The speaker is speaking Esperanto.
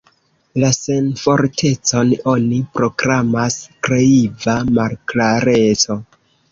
La senfortecon oni proklamas kreiva malklareco.